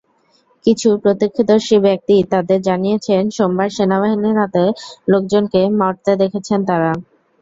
কিছু প্রত্যক্ষদর্শী ব্যক্তি তাঁদের জানিয়েছেন, সোমবার সেনাবাহিনীর হাতে লোকজনকে মরতে দেখেছেন তাঁরা।